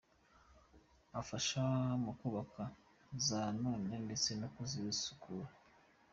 Afasha mu kubaka za nerone ndetse no kuzisukura.